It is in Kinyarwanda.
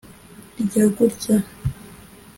rya gutya